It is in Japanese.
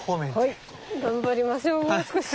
はい頑張りましょうもう少し。